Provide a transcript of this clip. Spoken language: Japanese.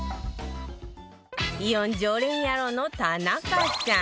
イオン常連ヤロウの田中さん